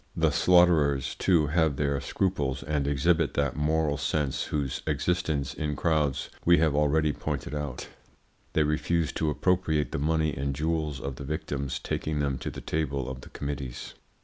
The slaughterers, too, have their scruples and exhibit that moral sense whose existence in crowds we have already pointed out. They refuse to appropriate the money and jewels of the victims, taking them to the table of the committees.